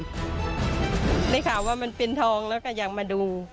ได้ข่าวว่ามันเป็นทองแล้วก็อยากมาดู